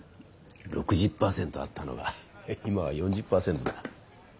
６０％あったのが今は４０％だ。